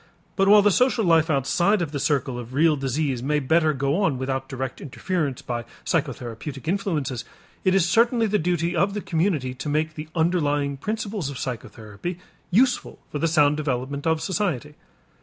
But while the social life outside of the circle of real disease may better go on without direct interference by psychotherapeutic influences, it is certainly the duty of the community to make the underlying principles of psychotherapy useful for the sound development of society.